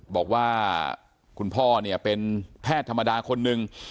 บอกว่าคุณพ่อเนี่ยเป็นแพทย์ธรรมดาคนหนึ่ง